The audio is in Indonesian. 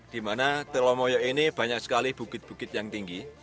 dimana telomoyo ini banyak sekali bukit bukit yang tinggi